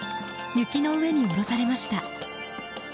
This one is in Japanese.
雪の上に下ろされました。